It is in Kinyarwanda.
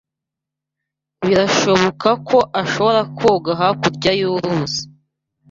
Birashoboka ko ashobora koga hakurya y'uruzi.